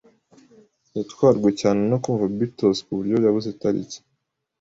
Yatwarwe cyane no kumva Beatles ku buryo yabuze itariki.